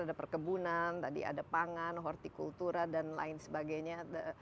ada perkebunan ada pangan horticultura dan lain sebagainya